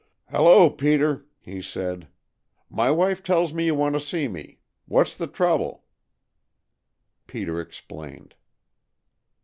"Hello, Peter!" he said. "My wife tells me you want to see me. What's the trouble?" Peter explained.